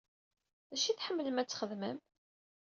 D acu i tḥemmlem ad txedmem?